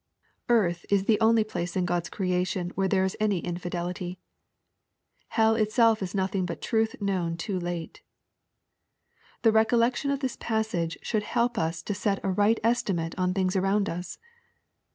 Earth is the only place in God's creation where there is any infidelity. Hell itself is nothing but truth known too late. The recollection of this passage should help lis to set a right estimate on things around us.